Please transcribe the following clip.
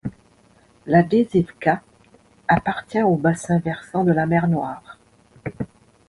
La Deževka appartient au bassin versant de la mer Noire.